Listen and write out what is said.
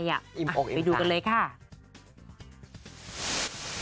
อิ่มปกค่ะไปดูกันเลยค่ะอิ่มปก